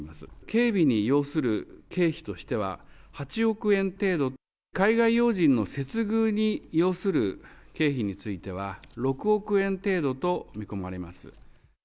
警備に要する経費としては、８億円程度、海外要人の接遇に要する経費については、６億円程度と見込まれます。